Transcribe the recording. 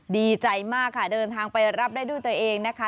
ดีใจมากค่ะเดินทางไปรับได้ด้วยตัวเองนะคะ